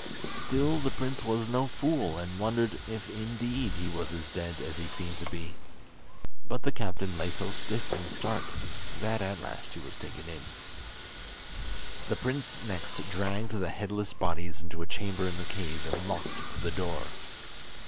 Still, the prince was no fool, and wondered if indeed he was as dead as he seemed to be; but the captain lay so stiff and stark, that at last he was taken in. The prince next dragged the headless bodies into a chamber in the cave, and locked the door.